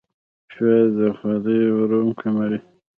پیاز د خولې ورم کموي